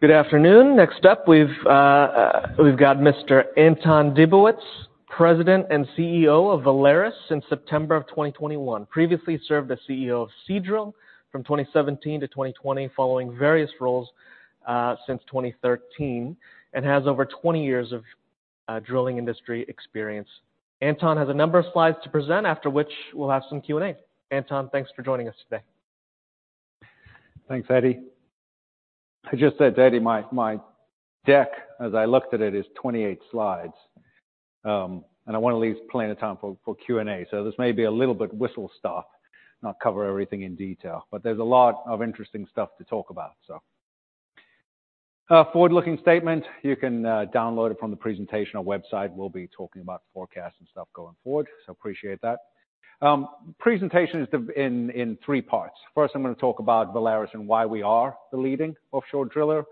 Good afternoon. Next up, we've got Mr. Anton Dibowitz, President and CEO of Valaris since September of 2021. Previously served as CEO of Seadrill from 2017 to 2020, following various roles since 2013, and has over 20 years of drilling industry experience. Anton has a number of slides to present, after which we'll have some Q&A. Anton, thanks for joining us today. Thanks, Eddie. I just said to Eddie, my deck, as I looked at it, is 28 slides. And I wanna leave plenty of time for Q&A, so this may be a little bit whistle stop, not cover everything in detail. But there's a lot of interesting stuff to talk about, so... forward-looking statement, you can download it from the presentation or website. We'll be talking about the forecast and stuff going forward, so appreciate that. Presentation is in three parts. First, I'm gonna talk about Valaris and why we are the leading offshore driller. I'm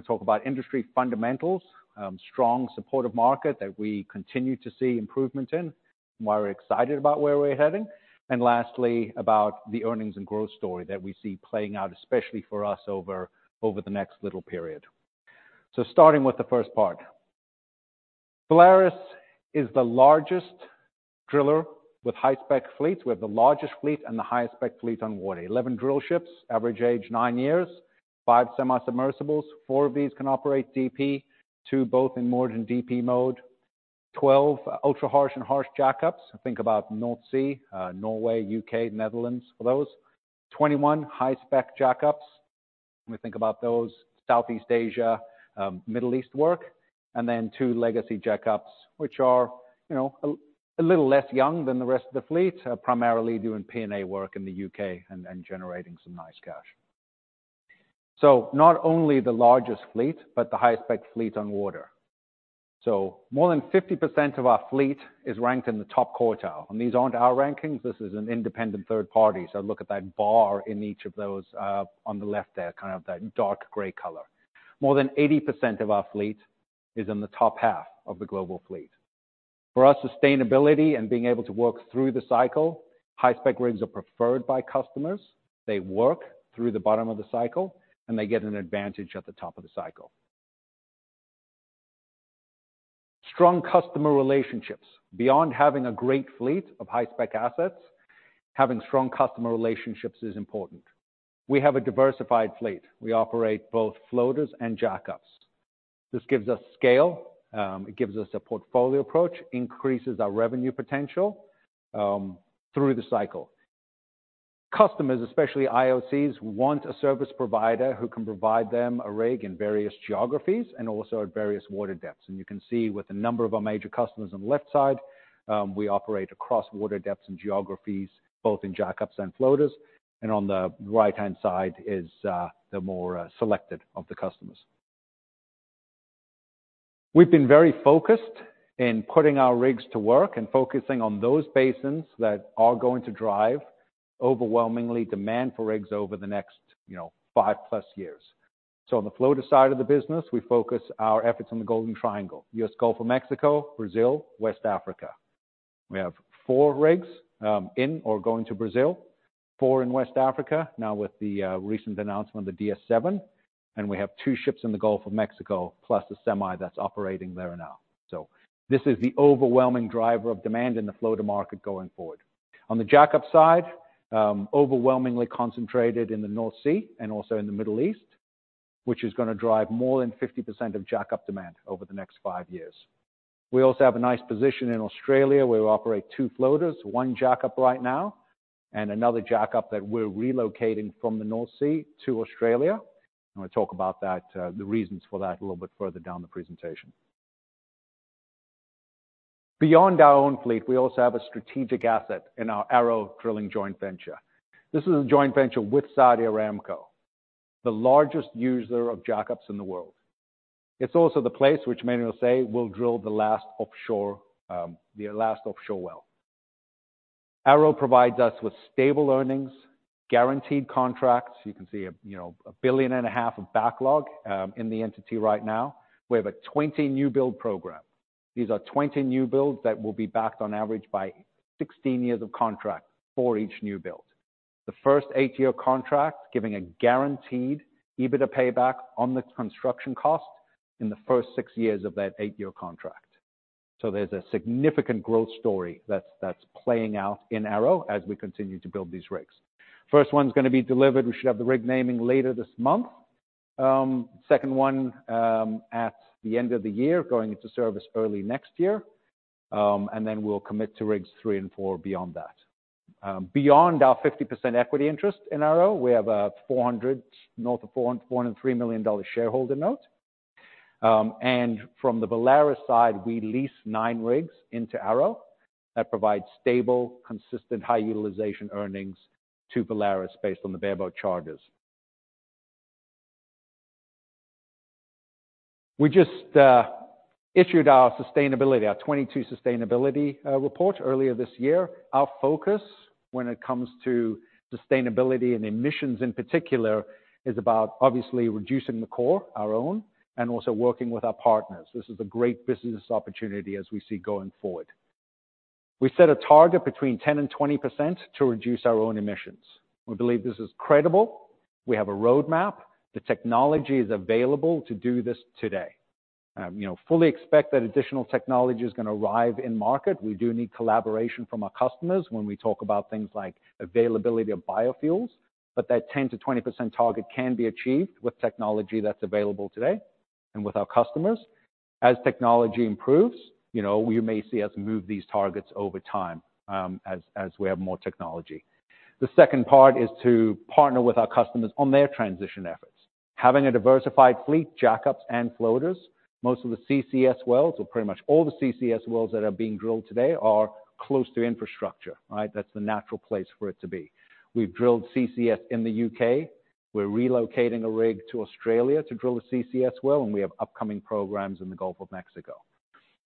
gonna talk about industry fundamentals, strong supportive market that we continue to see improvement in, and why we're excited about where we're heading. And lastly, about the earnings and growth story that we see playing out, especially for us, over the next little period. So starting with the first part. Valaris is the largest driller with high-spec fleets. We have the largest fleet and the highest spec fleet on water. 11 drillships, average age nine years, five semi-submersibles. four of these can operate DP, two both in moored and DP mode. 12 ultra harsh and harsh jackups. Think about North Sea, Norway, U.K., Netherlands, for those. 21 high-spec jackups. When we think about those, Southeast Asia, Middle East work, and then two legacy jackups, which are, you know, a little less young than the rest of the fleet, primarily doing P&A work in the UK and generating some nice cash. So not only the largest fleet, but the highest spec fleet on water. So more than 50% of our fleet is ranked in the top quartile, and these aren't our rankings, this is an independent third party. So look at that bar in each of those, on the left there, kind of that dark gray color. More than 80% of our fleet is in the top half of the global fleet. For us, sustainability and being able to work through the cycle, high-spec rigs are preferred by customers. They work through the bottom of the cycle, and they get an advantage at the top of the cycle. Strong customer relationships. Beyond having a great fleet of high-spec assets, having strong customer relationships is important. We have a diversified fleet. We operate both floaters and jackups. This gives us scale, it gives us a portfolio approach, increases our revenue potential, through the cycle. Customers, especially IOCs, want a service provider who can provide them a rig in various geographies and also at various water depths. You can see with a number of our major customers on the left side, we operate across water depths and geographies, both in jackups and floaters, and on the right-hand side is the more selected of the customers. We've been very focused in putting our rigs to work and focusing on those basins that are going to drive overwhelmingly demand for rigs over the next, you know, five plus years. On the floater side of the business, we focus our efforts on the Golden Triangle, U.S. Gulf of Mexico, Brazil, West Africa. We have four rigs in or going to Brazil, four in West Africa, now with the recent announcement of the DS-7, and we have two ships in the Gulf of Mexico, plus a semi that's operating there now. So this is the overwhelming driver of demand in the floater market going forward. On the jackup side, overwhelmingly concentrated in the North Sea and also in the Middle East, which is gonna drive more than 50% of jackup demand over the next five years. We also have a nice position in Australia, where we operate two floaters, one jackup right now, and another jackup that we're relocating from the North Sea to Australia. I'm gonna talk about that, the reasons for that a little bit further down the presentation. Beyond our own fleet, we also have a strategic asset in our ARO Drilling joint venture. This is a joint venture with Saudi Aramco, the largest user of jackups in the world. It's also the place which many will say will drill the last offshore well. ARO provides us with stable earnings, guaranteed contracts. You can see, you know, $1.5 billion of backlog in the entity right now. We have a 20 newbuild program. These are 20 newbuilds that will be backed on average by 16 years of contract for each newbuild. The first eight-year contract, giving a guaranteed EBITDA payback on the construction cost in the first six years of that eight-year contract. So there's a significant growth story that's playing out in ARO as we continue to build these rigs. First one's gonna be delivered, we should have the rig naming later this month. Second one at the end of the year, going into service early next year. And then we'll commit to rigs three and four beyond that. Beyond our 50% equity interest in ARO, we have a $400 million, north of $443 million shareholder note. And from the Valaris side, we lease nine rigs into ARO that provide stable, consistent, high utilization earnings to Valaris based on the bareboat charters. We just issued our 2022 sustainability report earlier this year. Our focus when it comes to sustainability and emissions in particular, is about obviously reducing the core, our own, and also working with our partners. This is a great business opportunity as we see going forward. We set a target between 10% and 20% to reduce our own emissions. We believe this is credible. We have a roadmap. The technology is available to do this today. You know, fully expect that additional technology is gonna arrive in market. We do need collaboration from our customers when we talk about things like availability of biofuels, but that 10%-20% target can be achieved with technology that's available today and with our customers. As technology improves, you know, you may see us move these targets over time, as we have more technology. The second part is to partner with our customers on their transition efforts. Having a diversified fleet, jackups, and floaters. Most of the CCS wells, or pretty much all the CCS wells that are being drilled today, are close to infrastructure, right? That's the natural place for it to be. We've drilled CCS in the U.K. We're relocating a rig to Australia to drill a CCS well, and we have upcoming programs in the Gulf of Mexico.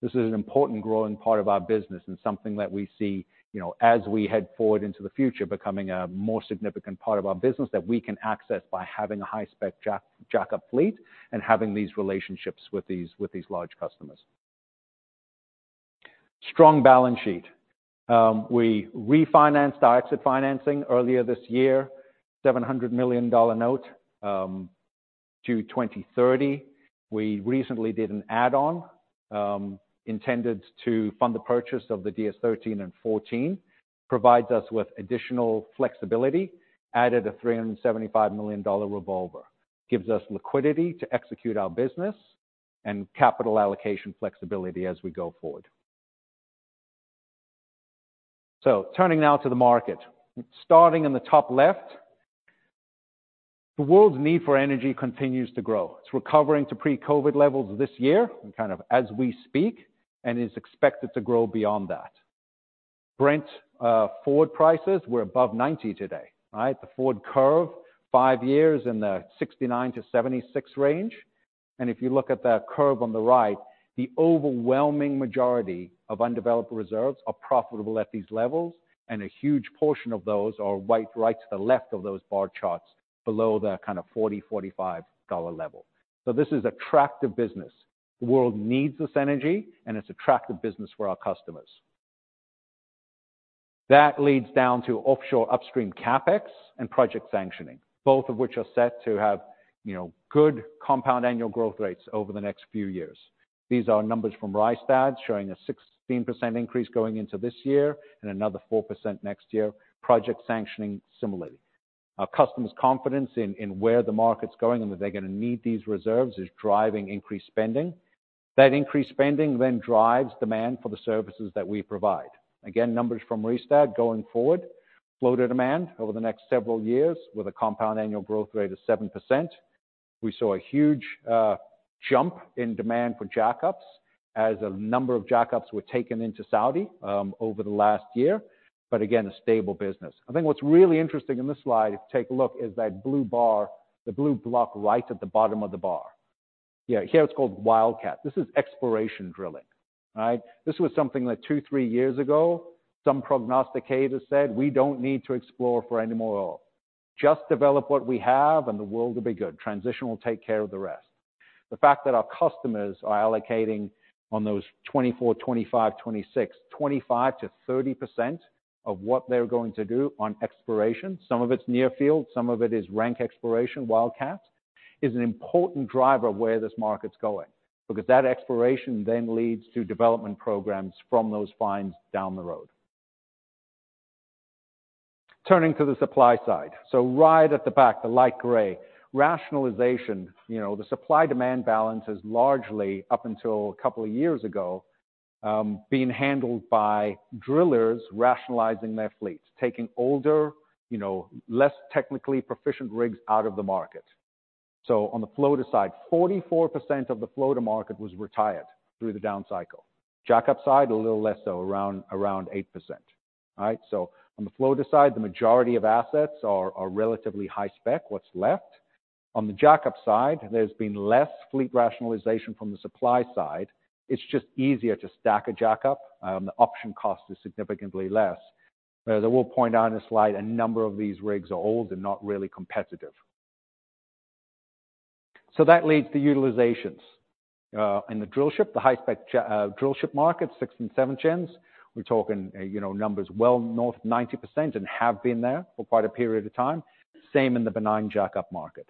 This is an important growing part of our business and something that we see, you know, as we head forward into the future, becoming a more significant part of our business that we can access by having a high-spec jackup fleet and having these relationships with these, with these large customers. Strong balance sheet. We refinanced our exit financing earlier this year, $700 million note to 2030. We recently did an add-on intended to fund the purchase of the DS-13 and DS-14. Provides us with additional flexibility, added a $375 million revolver. Gives us liquidity to execute our business and capital allocation flexibility as we go forward. So turning now to the market. Starting in the top left, the world's need for energy continues to grow. It's recovering to pre-COVID levels this year and kind of as we speak, and is expected to grow beyond that. Brent forward prices were above $90 today, right? The forward curve, five years in the $69-$76 range. And if you look at that curve on the right, the overwhelming majority of undeveloped reserves are profitable at these levels, and a huge portion of those are right, right to the left of those bar charts, below the kind of $40-$45 dollar level. So this is attractive business. The world needs this energy, and it's attractive business for our customers. That leads down to offshore upstream CapEx and project sanctioning, both of which are set to have, you know, good compound annual growth rates over the next few years. These are numbers from Rystad, showing a 16% increase going into this year and another 4% next year. Project sanctioning, similarly. Our customers' confidence in where the market's going and that they're gonna need these reserves is driving increased spending. That increased spending then drives demand for the services that we provide. Again, numbers from Rystad going forward. Floater demand over the next several years with a compound annual growth rate of 7%. We saw a huge jump in demand for jackups as a number of jackups were taken into Saudi over the last year, but again, a stable business. I think what's really interesting in this slide, if you take a look, is that blue bar, the blue block right at the bottom of the bar. Yeah, here it's called wildcat. This is exploration drilling, right? This was something that two to three years ago, some prognosticators said, "We don't need to explore for any more oil. Just develop what we have and the world will be good. Transition will take care of the rest." The fact that our customers are allocating on those 2024, 2025, 2026, 25%-30% of what they're going to do on exploration, some of it's near field, some of it is rank exploration, wildcat, is an important driver of where this market's going. Because that exploration then leads to development programs from those finds down the road. Turning to the supply side. So right at the back, the light gray. Rationalization, you know, the supply-demand balance is largely, up until a couple of years ago, being handled by drillers rationalizing their fleets, taking older, you know, less technically proficient rigs out of the market. So on the floater side, 44% of the floater market was retired through the down cycle. Jackup side, a little less so, around 8%. All right? So on the floater side, the majority of assets are relatively high-spec, what's left. On the jackup side, there's been less fleet rationalization from the supply side. It's just easier to stack a jackup. The option cost is significantly less. As I will point out in the slide, a number of these rigs are old and not really competitive. So that leads to utilizations. In the drillship, the high-spec jack, drillship market, six and seven gens. We're talking, you know, numbers well north 90% and have been there for quite a period of time. Same in the benign jackup market.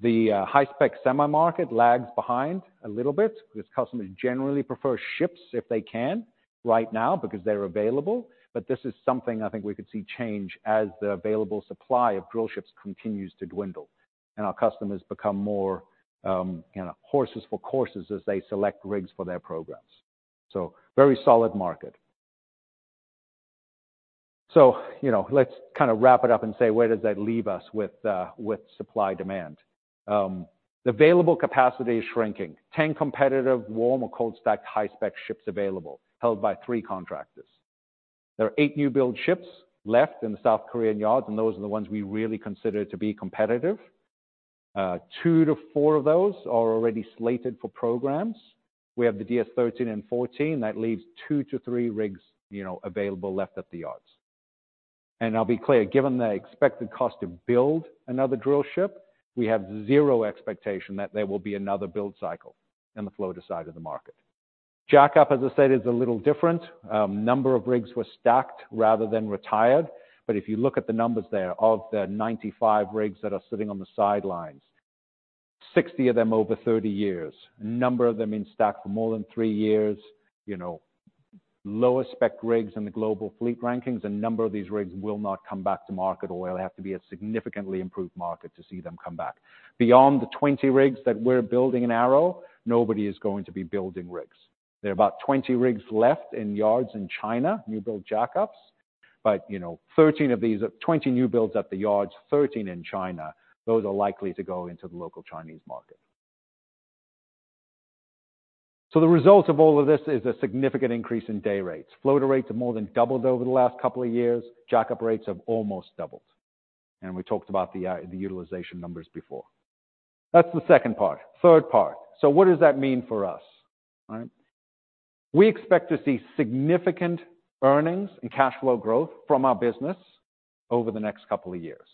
The high-spec semi market lags behind a little bit because customers generally prefer ships if they can, right now, because they're available. But this is something I think we could see change as the available supply of drillships continues to dwindle, and our customers become more, you know, horses for courses as they select rigs for their programs. So very solid market. So, you know, let's kind of wrap it up and say: where does that leave us with supply/demand? The available capacity is shrinking. 10 competitive, warm or cold stacked high-spec ships available, held by three contractors. There are eight newbuild ships left in the South Korean yards, and those are the ones we really consider to be competitive. Two to four of those are already slated for programs. We have the DS-13 and DS-14. That leaves two to three rigs, you know, available left at the yards.... And I'll be clear, given the expected cost to build another drillship, we have zero expectation that there will be another build cycle in the floater side of the market. Jackup, as I said, is a little different. Number of rigs were stacked rather than retired. But if you look at the numbers there, of the 95 rigs that are sitting on the sidelines, 60 of them over 30 years. Number of them in stack for more than three years, you know, lower spec rigs in the global fleet rankings, a number of these rigs will not come back to market, or it'll have to be a significantly improved market to see them come back. Beyond the 20 rigs that we're building in ARO, nobody is going to be building rigs. There are about 20 rigs left in yards in China, newbuild jackups. But, you know, 13 of these, 20 newbuilds at the yards, 13 in China. Those are likely to go into the local Chinese market. So the result of all of this is a significant increase in day rates. Floater rates have more than doubled over the last couple of years. Jackup rates have almost doubled, and we talked about the, the utilization numbers before. That's the second part. Third part. So what does that mean for us, right? We expect to see significant earnings and cash flow growth from our business over the next couple of years,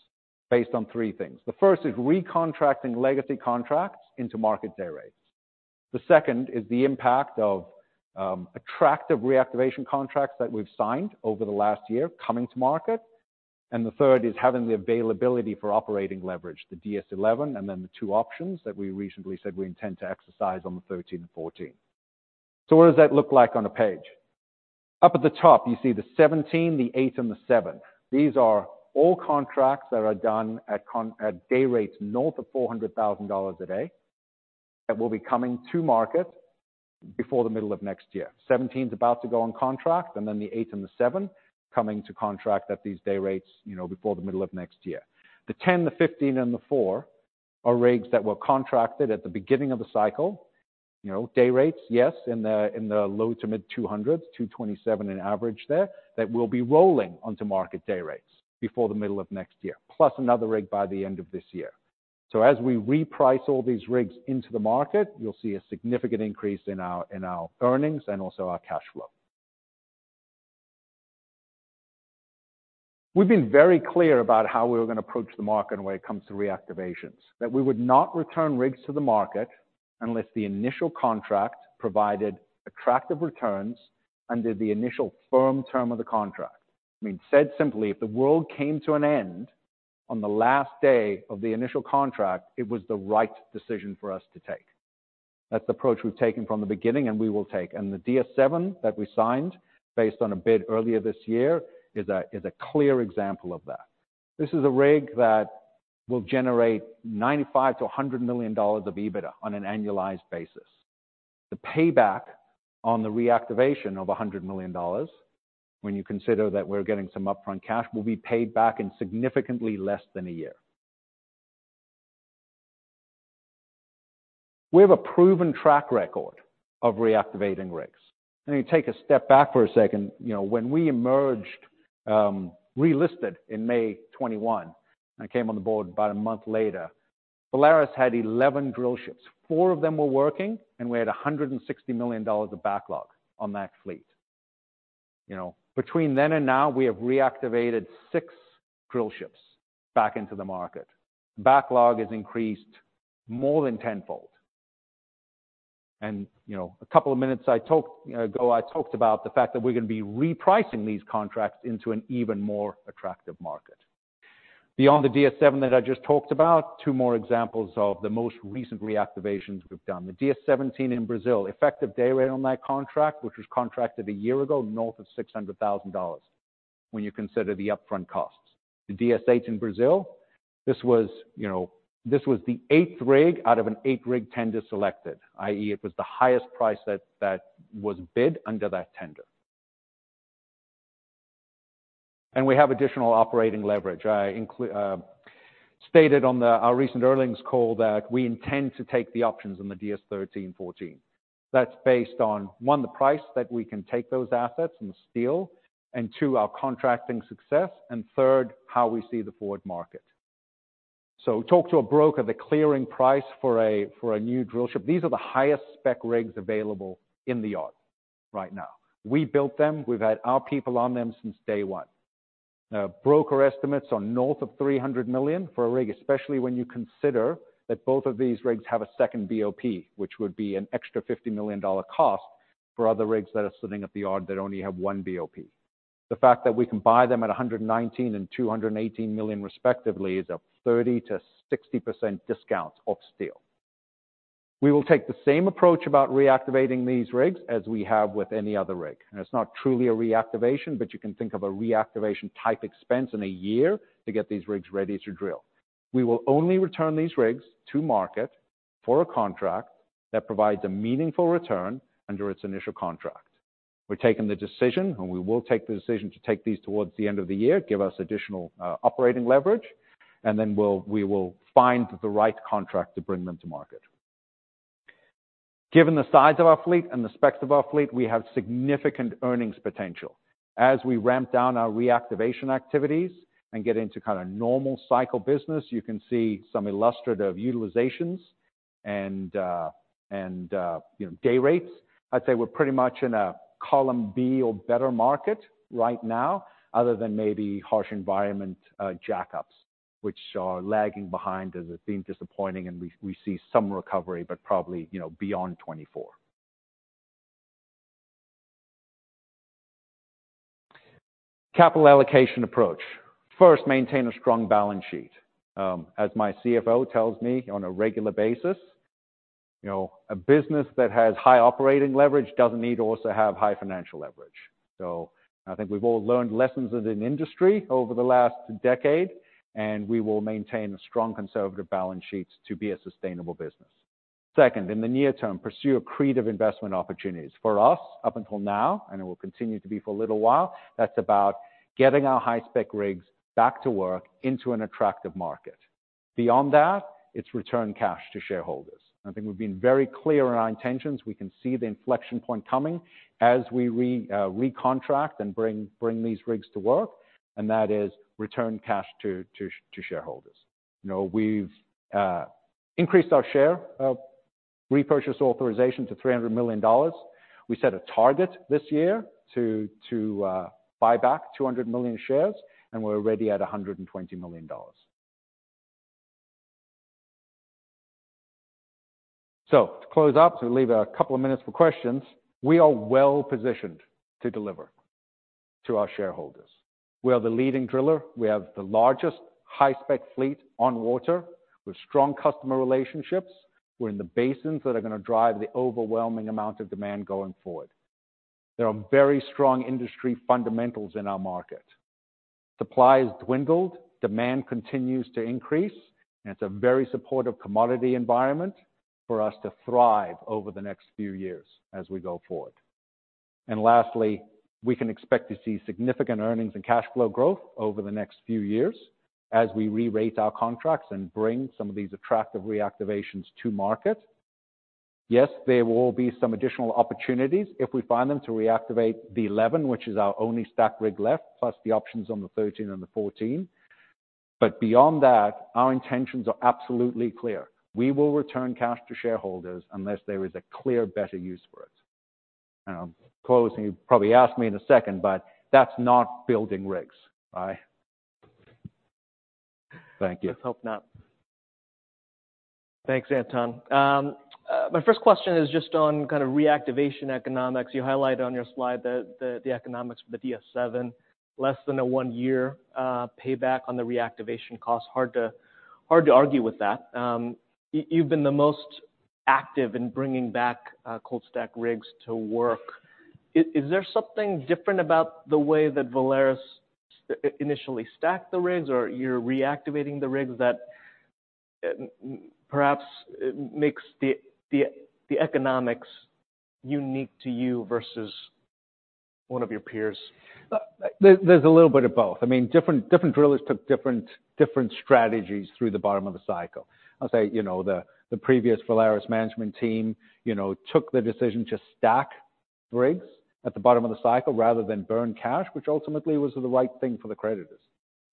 based on three things. The first is recontracting legacy contracts into market day rates. The second is the impact of, attractive reactivation contracts that we've signed over the last year coming to market. And the third is having the availability for operating leverage, the DS-10, and then the two options that we recently said we intend to exercise on the 13 and 14. So what does that look like on a page? Up at the top, you see the 17, the eight, and the seven. These are all contracts that are done at contract day rates north of $400,000 a day, that will be coming to market before the middle of next year. 17 is about to go on contract, and then the eight and the seven, coming to contract at these day rates, you know, before the middle of next year. The 10, the 15, and the four are rigs that were contracted at the beginning of the cycle. You know, day rates, yes, in the low- to mid-$200s, $227 on average there, that will be rolling onto market day rates before the middle of next year, plus another rig by the end of this year. So as we reprice all these rigs into the market, you'll see a significant increase in our, in our earnings and also our cash flow. We've been very clear about how we were gonna approach the market when it comes to reactivations. That we would not return rigs to the market unless the initial contract provided attractive returns under the initial firm term of the contract. I mean, said simply, if the world came to an end on the last day of the initial contract, it was the right decision for us to take. That's the approach we've taken from the beginning, and we will take. The DS-7 that we signed, based on a bid earlier this year, is a clear example of that. This is a rig that will generate $95 million-$100 million of EBITDA on an annualized basis. The payback on the reactivation of $100 million, when you consider that we're getting some upfront cash, will be paid back in significantly less than a year. We have a proven track record of reactivating rigs. Let me take a step back for a second. You know, when we emerged, relisted in May 2021, I came on the board about a month later. Valaris had 11 drillships. Four of them were working, and we had $160 million of backlog on that fleet. You know, between then and now, we have reactivated six drillships back into the market. Backlog has increased more than tenfold. You know, a couple of minutes ago, I talked about the fact that we're gonna be repricing these contracts into an even more attractive market. Beyond the DS-7 that I just talked about, two more examples of the most recent reactivations we've done. The DS-17 in Brazil. Effective day rate on that contract, which was contracted a year ago, north of $600,000, when you consider the upfront costs. The DS-8 in Brazil, this was the eighth rig out of an eight-rig tender selected, i.e., it was the highest price that was bid under that tender. And we have additional operating leverage. Stated on our recent earnings call that we intend to take the options on the DS-13, 14. That's based on, one, the price that we can take those assets and steal, and two, our contracting success, and third, how we see the forward market. So talk to a broker, the clearing price for a new drillship. These are the highest spec rigs available in the yard right now. We built them. We've had our people on them since day one. Broker estimates are north of $300 million for a rig, especially when you consider that both of these rigs have a second BOP, which would be an extra $50 million cost for other rigs that are sitting at the yard that only have one BOP. The fact that we can buy them at $119 million and $218 million, respectively, is a 30%-60% discount off steel. We will take the same approach about reactivating these rigs as we have with any other rig, and it's not truly a reactivation, but you can think of a reactivation-type expense in a year to get these rigs ready to drill. We will only return these rigs to market for a contract that provides a meaningful return under its initial contract. We're taking the decision, and we will take the decision to take these towards the end of the year, give us additional operating leverage, and then we will find the right contract to bring them to market. Given the size of our fleet and the specs of our fleet, we have significant earnings potential. As we ramp down our reactivation activities and get into kind of normal cycle business, you can see some illustrative utilizations-... You know, day rates, I'd say we're pretty much in a column B or better market right now, other than maybe harsh environment jackups, which are lagging behind as it's been disappointing, and we see some recovery, but probably, you know, beyond 2024. Capital allocation approach. First, maintain a strong balance sheet. As my CFO tells me on a regular basis, you know, a business that has high operating leverage doesn't need also to have high financial leverage. So I think we've all learned lessons as an industry over the last decade, and we will maintain strong, conservative balance sheets to be a sustainable business. Second, in the near term, pursue accretive investment opportunities. For us, up until now, and it will continue to be for a little while, that's about getting our high-spec rigs back to work into an attractive market. Beyond that, it's return cash to shareholders. I think we've been very clear on our intentions. We can see the inflection point coming as we recontract and bring these rigs to work, and that is return cash to shareholders. You know, we've increased our share repurchase authorization to $300 million. We set a target this year to buy back 200 million shares, and we're already at $120 million. So to close up, to leave a couple of minutes for questions, we are well positioned to deliver to our shareholders. We are the leading driller. We have the largest high-spec fleet on water with strong customer relationships. We're in the basins that are gonna drive the overwhelming amount of demand going forward. There are very strong industry fundamentals in our market. Supply has dwindled, demand continues to increase, and it's a very supportive commodity environment for us to thrive over the next few years as we go forward. Lastly, we can expect to see significant earnings and cash flow growth over the next few years as we re-rate our contracts and bring some of these attractive reactivations to market. Yes, there will be some additional opportunities if we find them, to reactivate the 11, which is our only stacked rig left, plus the options on the 13 and the 14. But beyond that, our intentions are absolutely clear. We will return cash to shareholders unless there is a clear, better use for it. I'll close, and you'll probably ask me in a second, but that's not building rigs. All right? Thank you. Let's hope not. Thanks, Anton. My first question is just on kind of reactivation economics. You highlighted on your slide the economics for the DS-7, less than a one-year payback on the reactivation costs. Hard to argue with that. You've been the most active in bringing back cold stacked rigs to work. Is there something different about the way that Valaris initially stacked the rigs, or you're reactivating the rigs that perhaps it makes the economics unique to you versus one of your peers? There, there's a little bit of both. I mean, different drillers took different strategies through the bottom of the cycle. I'll say, you know, the previous Valaris management team, you know, took the decision to stack rigs at the bottom of the cycle rather than burn cash, which ultimately was the right thing for the creditors.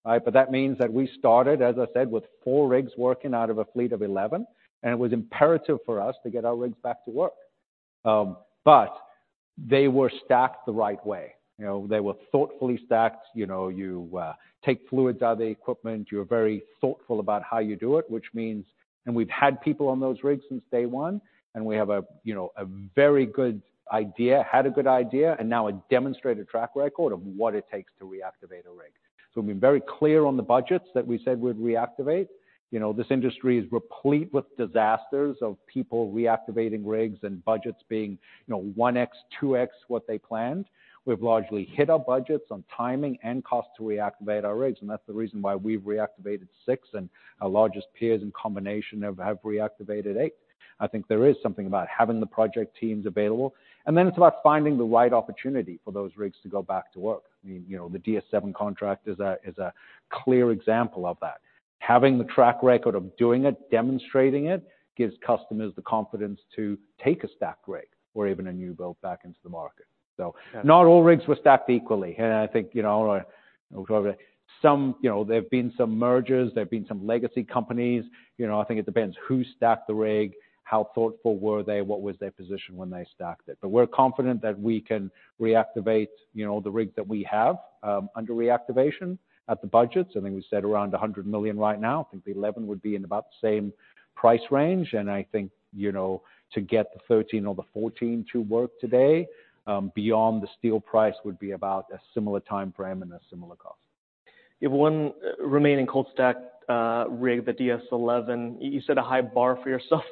All right? But that means that we started, as I said, with four rigs working out of a fleet of 11, and it was imperative for us to get our rigs back to work. But they were stacked the right way. You know, they were thoughtfully stacked. You know, you take fluids out of the equipment. You're very thoughtful about how you do it, which means... We've had people on those rigs since day one, and we have a, you know, a very good idea, had a good idea, and now a demonstrated track record of what it takes to reactivate a rig. So we've been very clear on the budgets that we said we'd reactivate. You know, this industry is replete with disasters of people reactivating rigs and budgets being, you know, 1x, 2x, what they planned. We've largely hit our budgets on timing and cost to reactivate our rigs, and that's the reason why we've reactivated six, and our largest peers, in combination, have reactivated eight. I think there is something about having the project teams available, and then it's about finding the right opportunity for those rigs to go back to work. I mean, you know, the DS-7 contract is a clear example of that. Having the track record of doing it, demonstrating it, gives customers the confidence to take a stacked rig or even a newbuild back into the market. So- Yeah. Not all rigs were stacked equally, and I think, you know, some, you know, there have been some mergers, there have been some legacy companies. You know, I think it depends who stacked the rig, how thoughtful were they, what was their position when they stacked it? But we're confident that we can reactivate, you know, the rig that we have under reactivation at the budgets. I think we said around $100 million right now. I think the 11 would be in about the same price range, and I think, you know, to get the 13 or the 14 to work today, beyond the steel price, would be about a similar timeframe and a similar cost. You have one remaining cold stacked rig, the DS-11. You set a high bar for yourself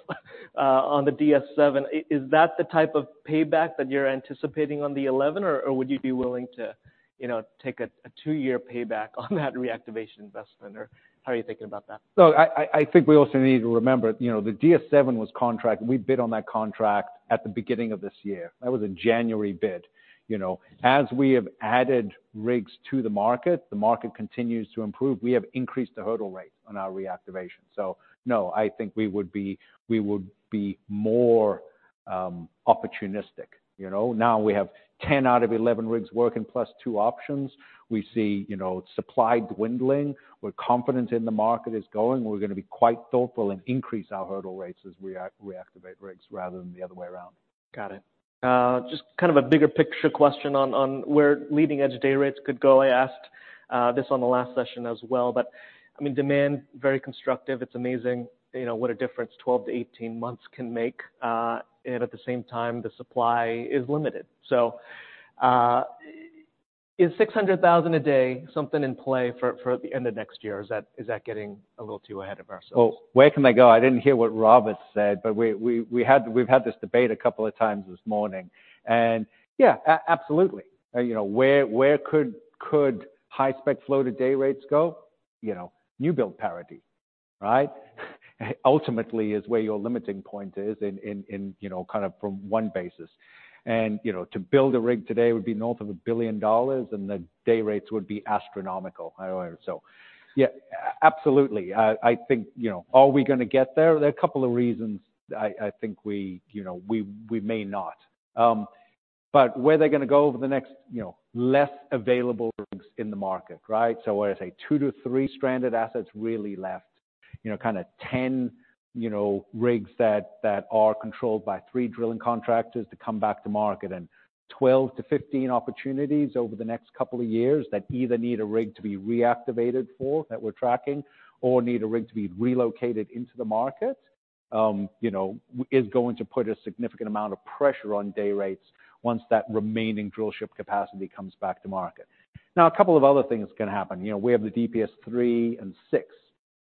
on the DS-7. Is that the type of payback that you're anticipating on the eleven, or would you be willing to, you know, take a two-year payback on that reactivation investment, or how are you thinking about that? So I think we also need to remember, you know, the DS-7 was contract. We bid on that contract at the beginning of this year. That was a January bid. You know, as we have added rigs to the market, the market continues to improve. We have increased the hurdle rates on our reactivation. So no, I think we would be, we would be more opportunistic, you know? Now we have 10 out of 11 rigs working, plus two options. We see, you know, supply dwindling. We're confident in the market is going, we're gonna be quite thoughtful and increase our hurdle rates as we reactivate rigs, rather than the other way around. Got it. Just kind of a bigger picture question on where leading-edge day rates could go. I asked this on the last session as well, but I mean, demand, very constructive. It's amazing, you know, what a difference 12-18 months can make, and at the same time, the supply is limited. So, is $600,000 a day something in play for the end of next year, or is that getting a little too ahead of ourselves? Well, where can I go? I didn't hear what Robert said, but we've had this debate a couple of times this morning. And yeah, absolutely. You know, where could high spec floater day rates go? You know, newbuild parity, right? Ultimately, is where your limiting point is in, you know, kind of from one basis. And, you know, to build a rig today would be north of $1 billion, and the day rates would be astronomical. So yeah, absolutely. I think, you know, are we gonna get there? There are a couple of reasons I think we may not. But where are they gonna go over the next, you know, less available rigs in the market, right? So I would say two to three stranded assets really left, you know, kind of 10, you know, rigs that, that are controlled by three drilling contractors to come back to market. And 12-15 opportunities over the next couple of years that either need a rig to be reactivated for, that we're tracking, or need a rig to be relocated into the market, you know, is going to put a significant amount of pressure on day rates once that remaining drillship capacity comes back to market. Now, a couple of other things can happen. You know, we have the DPS-3 and DPS-6,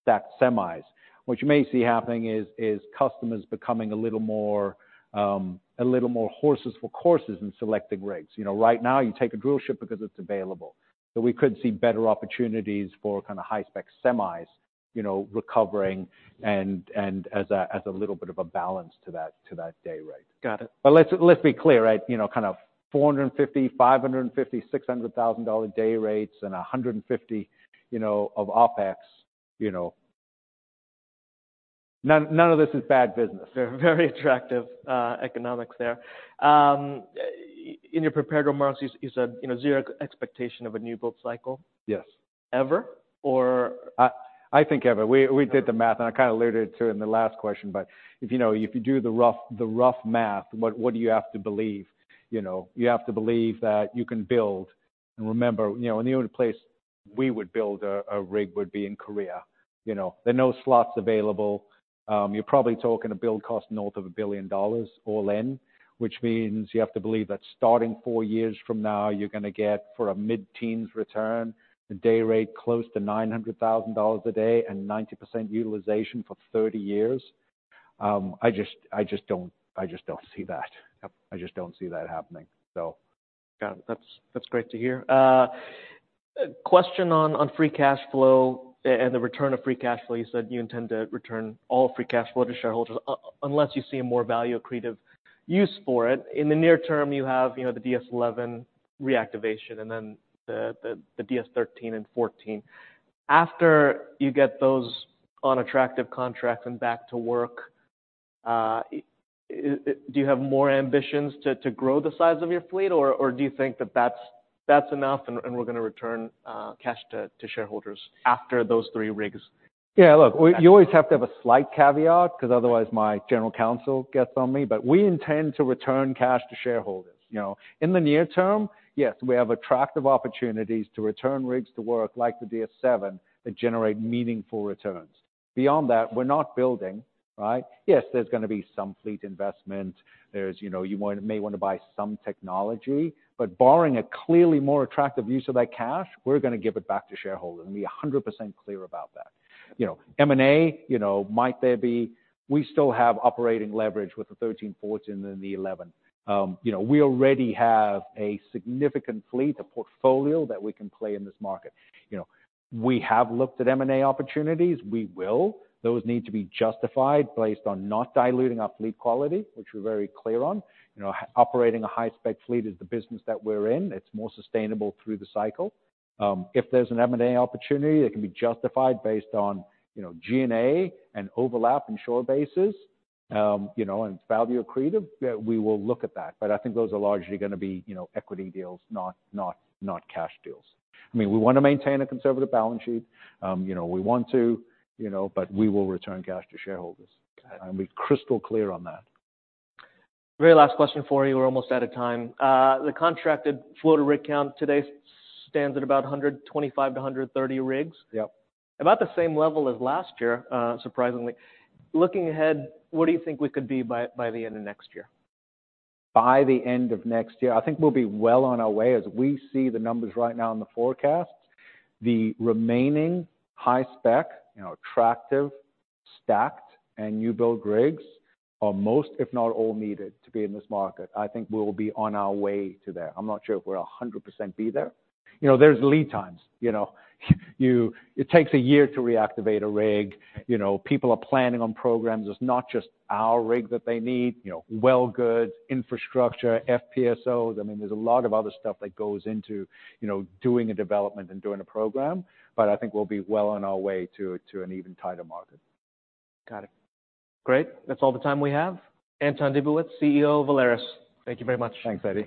stacked semis. What you may see happening is customers becoming a little more, a little more horses for courses in selecting rigs. You know, right now, you take a drillship because it's available. So we could see better opportunities for kind of high-spec semis, you know, recovering and as a little bit of a balance to that day rate. Got it. But let's be clear, right? You know, kind of $450,000, $550,000, $600,000 day rates and $150,000, you know, of OpEx, you know. None of this is bad business. They're very attractive economics there. In your prepared remarks, you said, you know, zero expectation of a newbuild cycle? Yes. Ever or- I think ever. We did the math, and I kind of alluded to it in the last question, but if, you know, if you do the rough math, what do you have to believe? You know, you have to believe that you can build. And remember, you know, in the only place we would build a rig would be in Korea. You know, there are no slots available. You're probably talking a build cost north of $1 billion, all in. Which means you have to believe that starting four years from now, you're gonna get, for a mid-teens return, a day rate close to $900,000 a day and 90% utilization for 30 years. I just don't see that. I just don't see that happening, so. Got it. That's, that's great to hear. Question on free cash flow and the return of free cash flow. You said you intend to return all free cash flow to shareholders, unless you see a more value accretive use for it. In the near term, you have, you know, the DS-11 reactivation and then the DS-13 and 14. After you get those on attractive contracts and back to work, do you have more ambitions to grow the size of your fleet, or do you think that that's enough and we're gonna return cash to shareholders after those three rigs? Yeah, look, you always have to have a slight caveat because otherwise my general counsel gets on me, but we intend to return cash to shareholders. You know, in the near term, yes, we have attractive opportunities to return rigs to work like the DS-7, that generate meaningful returns. Beyond that, we're not building, right? Yes, there's gonna be some fleet investment. There's, you know, may want to buy some technology, but barring a clearly more attractive use of that cash, we're gonna give it back to shareholders and be 100% clear about that. You know, M&A, you know, might there be... We still have operating leverage with the 13, 14 and the 11. You know, we already have a significant fleet, a portfolio that we can play in this market. You know, we have looked at M&A opportunities. We will. Those need to be justified based on not diluting our fleet quality, which we're very clear on. You know, operating a high-spec fleet is the business that we're in. It's more sustainable through the cycle. If there's an M&A opportunity that can be justified based on, you know, G&A and overlap and shore bases, you know, and it's value accretive, we will look at that. But I think those are largely gonna be, you know, equity deals, not, not, not cash deals. I mean, we want to maintain a conservative balance sheet. You know, we want to, you know, but we will return cash to shareholders. Got it. Be crystal clear on that. Very last question for you. We're almost out of time. The contracted floater rig count today stands at about 125-130 rigs. Yep. About the same level as last year, surprisingly. Looking ahead, what do you think we could be by the end of next year? By the end of next year, I think we'll be well on our way, as we see the numbers right now in the forecast. The remaining high-spec, you know, attractive, stacked and newbuild rigs are most, if not all, needed to be in this market. I think we will be on our way to there. I'm not sure if we're 100% be there. You know, there's lead times, you know? It takes a year to reactivate a rig. You know, people are planning on programs. It's not just our rig that they need, you know, well goods, infrastructure, FPSOs. I mean, there's a lot of other stuff that goes into, you know, doing a development and doing a program, but I think we'll be well on our way to an even tighter market. Got it. Great. That's all the time we have. Anton Dibowitz, CEO of Valaris. Thank you very much. Thanks, Eddie.